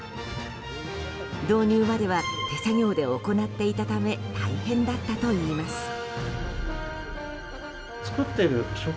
導入までは手作業で行っていたため大変だったといいます。